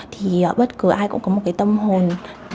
thì bất cứ ai cũng có một cái tâm hồn